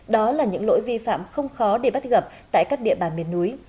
đó là những lỗi vi phạm không khó để bắt gặp tại các địa bàn miền núi